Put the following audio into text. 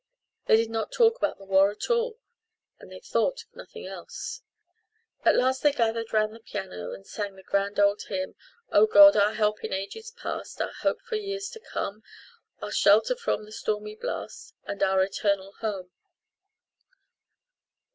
They did not talk about the war at all and they thought of nothing else. At last they gathered around the piano and sang the grand old hymn: "Oh God, our help in ages past Our hope for years to come. Our shelter from the stormy blast And our eternal home."